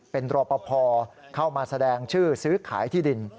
เป็นรอปภเข้ามาแสดงชื่อซื้อขายที่ดิน